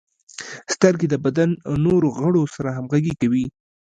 • سترګې د بدن نورو غړو سره همغږي کوي.